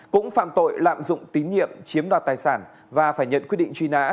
cũng phạm tội lạm dụng tín nhiệm chiếm đoạt tài sản và phải nhận quyết định truy nã